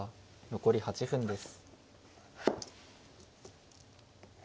残り８分です。